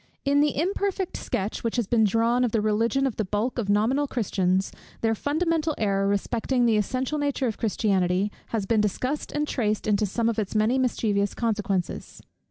_ In the imperfect sketch which has been drawn of the Religion of the bulk of nominal Christians, their fundamental error respecting the essential nature of Christianity has been discussed, and traced into some of its many mischievous consequences.